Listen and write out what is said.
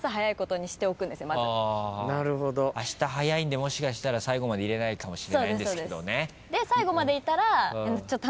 あした早いんでもしかしたら最後までいれないかもしれないんですけどね。